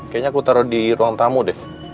kayanya aku taro di ruang tamu deh